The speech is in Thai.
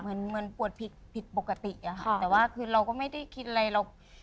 เหมือนปวดผิดปกติแต่ว่าคือเราก็ไม่ได้คิดอะไรหรอก